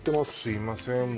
すいません